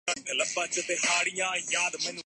انسانیت کی نہج کبھی بھی ایک ڈگر پر گامزن نہیں